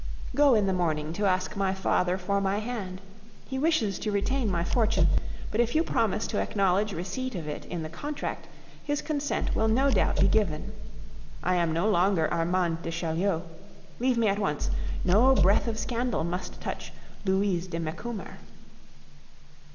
Go in the morning to ask my father for my hand. He wishes to retain my fortune; but if you promise to acknowledge receipt of it in the contract, his consent will no doubt be given. I am no longer Armande de Chaulieu. Leave me at once; no breath of scandal must touch Louise de Macumer."